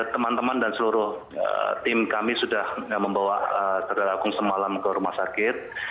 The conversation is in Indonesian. teman teman dan seluruh tim kami sudah membawa saudara agung semalam ke rumah sakit